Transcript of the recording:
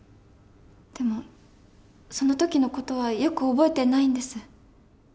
でもその時の事はよく覚えてないんです。